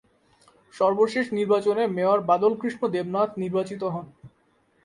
সর্বশেষ নির্বাচনে মেয়র বাদল কৃষ্ণ দেবনাথ নির্বাচিত হন।